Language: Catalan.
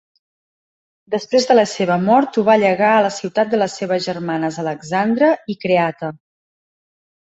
Després de la seva mort ho va llegar a la ciutat de les seves germanes Alexandra i Creata.